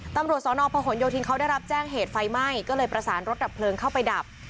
ตำรวจสนพหนโยธินเขาได้รับแจ้งเหตุไฟไหม้ก็เลยประสานรถดับเพลิงเข้าไปดับ